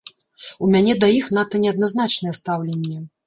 У мяне да іх надта неадназначнае стаўленне.